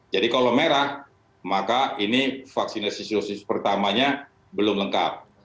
jadi kalau merah maka ini vaksinasi dosis pertamanya belum lengkap